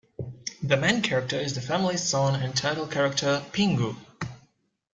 The main character is the family's son and title character, Pingu.